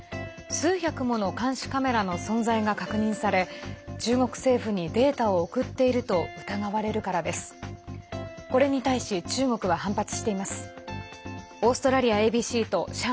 数百もの監視カメラの存在が確認され中国政府にデータを送っていると疑われるからです。